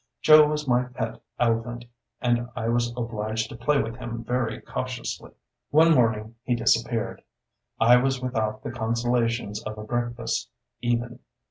Joe was my pet elephant, and I was obliged to play with him very cautiously. One morning he disappeared. I was without the consolations of a breakfast, even.